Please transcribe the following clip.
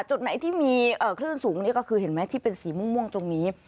จุดไหนที่มีคลื่นสูงนี่ก็คือเห็นไหมที่เป็นสีม่วงตรงนี้